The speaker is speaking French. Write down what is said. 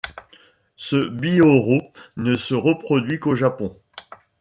Ce bihoreau ne se reproduit qu’au Japon.